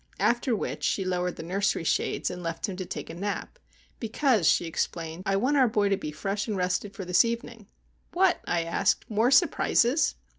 After which she lowered the nursery shades, and left him to take a nap, "because," she explained, "I want our boy to be fresh and rested for this evening." "What?" I asked. "More surprises?"